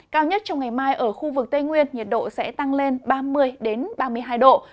cao nhất trong ngày mai ở khu vực tây nguyên nhiệt độ sẽ tăng lên ba mươi ba mươi hai độ